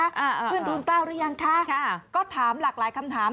อ่าขึ้นทูลเกล้าหรือยังคะค่ะก็ถามหลากหลายคำถาม